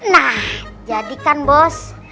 nah jadikan bos